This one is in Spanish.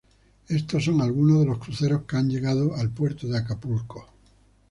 Estos son algunos de los cruceros que han llegado al puerto de Acapulco.